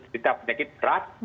kita penyakit keras